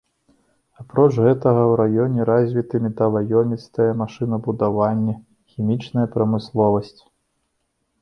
Апроч гэтага, у раёне развіты металаёмістае машынабудаванне, хімічная прамысловасць.